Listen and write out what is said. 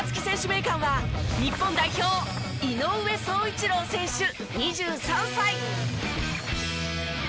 名鑑は日本代表井上宗一郎選手２３歳。